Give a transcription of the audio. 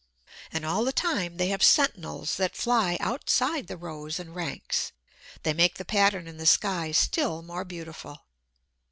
And all the time they have sentinels that fly outside the rows and ranks. They make the pattern in the sky still more beautiful.